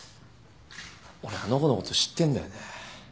俺あの子のこと知ってんだよね。